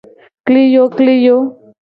Kliyokliyo.